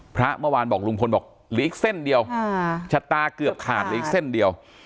เมื่อวานบอกลุงพลบอกเหลืออีกเส้นเดียวชะตาเกือบขาดเหลืออีกเส้นเดียว